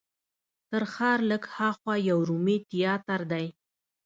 تر ښار لږ هاخوا یو رومي تیاتر دی.